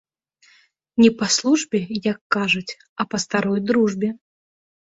Не па службе, як кажуць, а па старой дружбе.